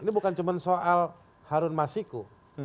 ini bukan cuma soal harun masiku